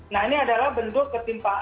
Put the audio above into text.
nah ini adalah bentuk ketimpangan